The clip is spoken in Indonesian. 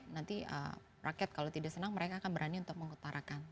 nanti rakyat kalau tidak senang mereka akan berani untuk mengutarakan